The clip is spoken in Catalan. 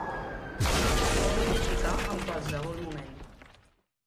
Es pot notificar en qualsevol moment.